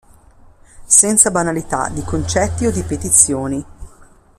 Senza banalità di concetti o di petizioni.